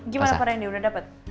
gimana pak rendy udah dapet